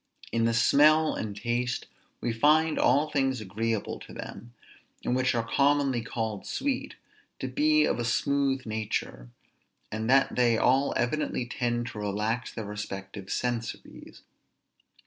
In the smell and taste, we find all things agreeable to them, and which are commonly called sweet, to be of a smooth nature, and that they all evidently tend to relax their respective sensories.